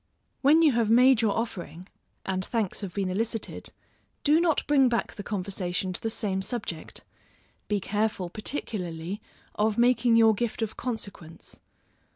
When you have made your offering, and thanks have been elicited, do not bring back the conversation to the same subject; be careful, particularly, of making your gift of consequence.